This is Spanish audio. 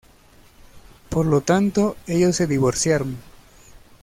Por lo tanto ellos se divorciaron.